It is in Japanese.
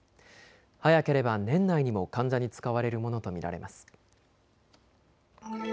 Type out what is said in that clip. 早ければ年内にも患者に使われるものと見られます。